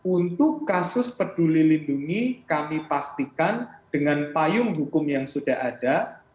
untuk kasus peduli lindungi kami pastikan dengan payung hukum yang sudah ada